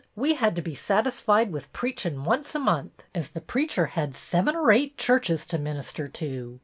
We had to be sat isfied with preachin' once a month, as the preacher had seven or eight churches to minister to.